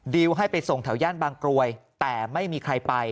ให้ไปส่งแถวย่านบางกรวยแต่ไม่มีใครไป